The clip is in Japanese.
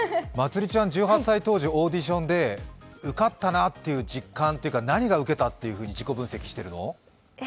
まつりちゃん、１８歳当時オーディションで受かったなっていう実感というか何が受けたと自己分析してるの？